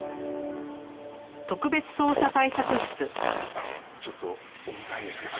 あのちょっと重たいんですけど。